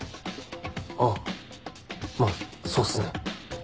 あまぁそうっすね。